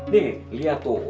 nih liat tuh